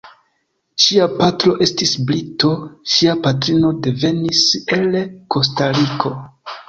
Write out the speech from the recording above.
Ŝia patro estis brito, ŝia patrino devenis el Kostariko.